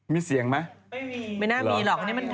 ไม่น่ามีหรอก